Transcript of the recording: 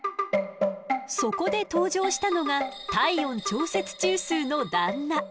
そこで登場したのが体温調節中枢の旦那。